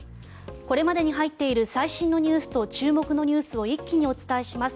これまでに入っている最新ニュースと注目ニュースを一気にお伝えします。